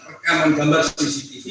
rekaman gambar cctv